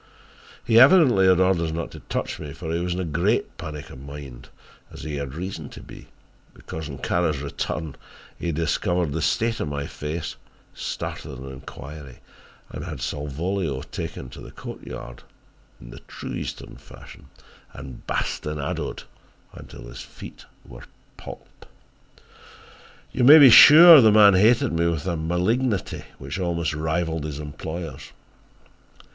He evidently had orders not to touch me, for he was in a great panic of mind, as he had reason to be, because on Kara's return he discovered the state of my face, started an enquiry and had Salvolio taken to the courtyard in the true eastern style and bastinadoed until his feet were pulp. "You may be sure the man hated me with a malignity which almost rivalled his employer's.